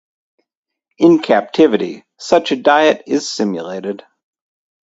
In captivity, such a diet is simulated.